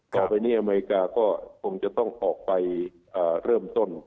ต่อไปนี้อเมริกาก็คงจะต้องออกไปเริ่มต้น